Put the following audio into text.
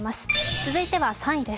続いては、３位です。